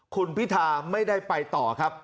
คุณพิธาไม่ได้ไปต่อครับ